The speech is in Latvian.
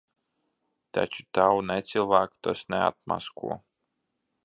Taču tavu necilvēku tas neatmasko.